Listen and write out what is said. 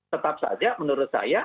tetap saja menurut saya